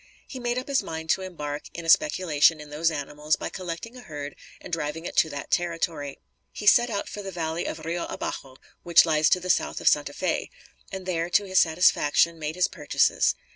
He made up his mind to embark in a speculation in those animals by collecting a herd and driving it to that territory. He set out for the valley of Rio Abajo, which lies to the south of Santa Fé, and there, to his satisfaction, made his purchases.